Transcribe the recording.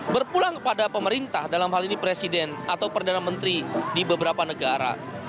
berpulang kepada pemerintah dalam hal ini presiden atau perdana menteri di beberapa negara